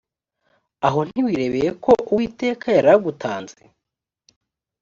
aho ntiwirebeye ko uwiteka yari agutanze